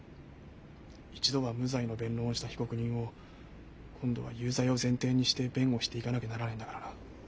一度は無罪の弁論をした被告人を今度は有罪を前提にして弁護していかなきゃならないんだからな。